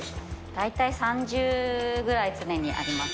大体３０ぐらい常にあります。